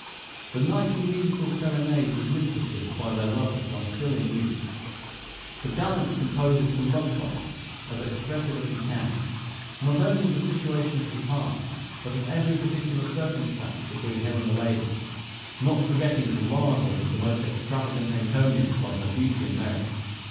The nightly musical serenades of mistresses by their lovers are still in use. The gallant composes some love sonnets, as expressive as he can, not only of the situation of his heart, but of every particular circumstance between him and the lady, not forgetting to lard them with the most extravagant encomiums on her beauty and merit.